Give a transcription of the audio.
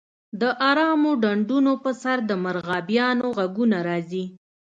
د ارامو ډنډونو په سر د مرغابیانو غږونه راځي